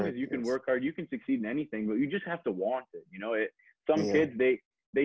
kalau kamu bisa bekerja keras kamu bisa berjaya di segala hal tapi kamu harus pengen